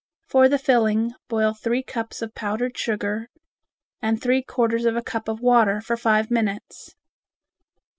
For the filling, boil three cups of powdered sugar and three quarters of a cup of water for five minutes.